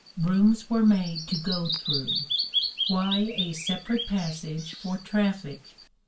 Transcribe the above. Rooms were made to go through. Why a separate passage for traffic?